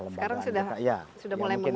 sekarang sudah mulai mengeluarkan